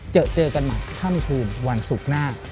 เจอเจอกันใหม่ค่ำคืนวันศุกร์หน้า